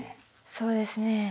そうですね